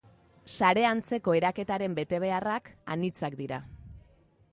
Sare-antzeko eraketaren betebeharrak anitzak dira.